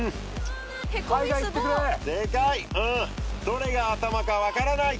どれが頭か分からない！